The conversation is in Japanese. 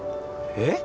えっ？